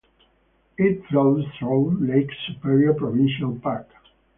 It flows through Lake Superior Provincial Park.